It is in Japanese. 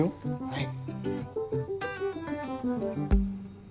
はい。